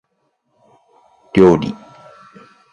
料理